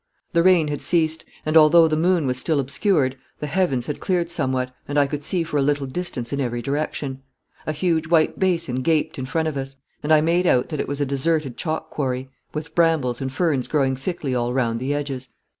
The rain had ceased, and although the moon was still obscured, the heavens had cleared somewhat, and I could see for a little distance in every direction. A huge white basin gaped in front of us, and I made out that it was a deserted chalk quarry, with brambles and ferns growing thickly all round the edges.